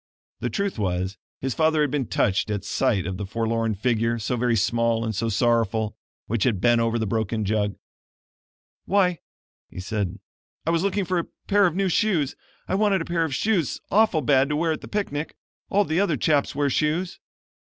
The truth was his father had been touched at sight of the forlorn figure, so very small and so sorrowful, which had bent over the broken jug. "Why," he said, "I was looking for a pair of new shoes. I want a pair of shoes awful bad to wear at the picnic. All the other chaps wear shoes."